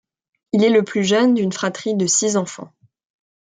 Il est le plus jeune d’une fratrie de six enfants.